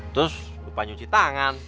terus lupa nyuci tangan